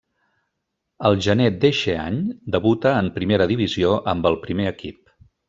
Al gener d'eixe any debuta en Primera Divisió amb el primer equip.